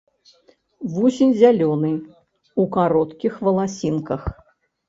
Вусень зялёны, у кароткіх валасінках.